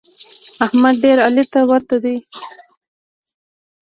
احمد ډېر علي ته ورته دی.